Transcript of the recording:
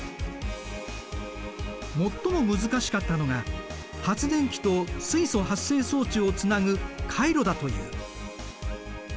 最も難しかったのが発電機と水素発生装置をつなぐ回路だという。